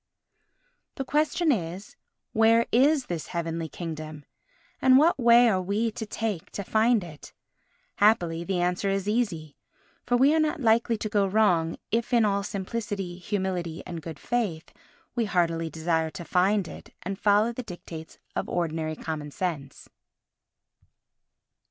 The question is, where is this Heavenly Kingdom, and what way are we to take to find it? Happily the answer is easy, for we are not likely to go wrong if in all simplicity, humility and good faith we heartily desire to find it and follow the dictates of ordinary common sense.